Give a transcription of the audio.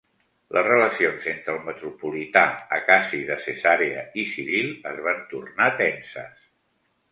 Les relacions entre el metropolità Acaci de Cesarea i Ciril es van tornar tenses.